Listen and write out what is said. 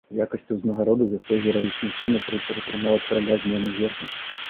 У якасці ўзнагароды за свой гераічны ўчынак рыцар атрымаў ад караля змену ў гербе.